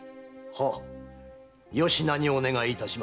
はっよしなにお願いいたします。